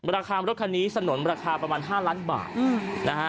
ราคารถคันนี้สนุนราคาประมาณ๕ล้านบาทนะฮะ